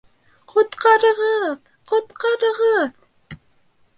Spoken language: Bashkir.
— Ҡотҡарығыҙ, ҡотҡарығыҙ!